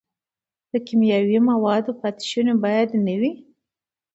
د کیمیاوي موادو پاتې شوني باید نه وي.